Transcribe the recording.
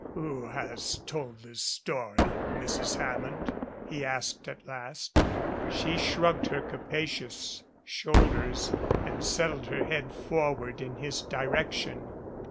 "Who has told this story, Mrs. Hammond?" he asked at last. She shrugged her capacious shoulders and settled her head forward in his direction.